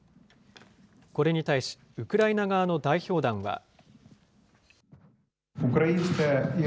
これに対し、ウクライナ側の代表団は。